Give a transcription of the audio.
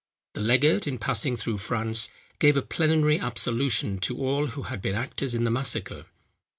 The legate, in passing through France, gave a plenary absolution to all who had been actors in the massacre.